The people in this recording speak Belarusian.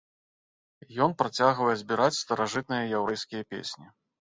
Ён працягвае збіраць старажытныя яўрэйскія песні.